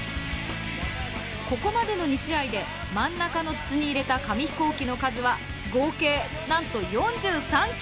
ここまでの２試合で真ん中の筒に入れた紙ヒコーキの数は合計なんと４３機！